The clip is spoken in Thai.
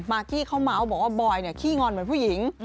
มาร์กี้เขามาว่าบอยนี่ขี้งอนเหมือนผู้หญิง